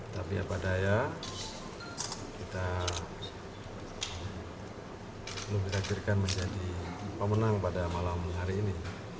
tapi apa daya kita belum ditakdirkan menjadi pemenang pada malam hari ini